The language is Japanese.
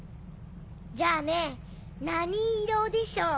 じゃあね何色でしょう？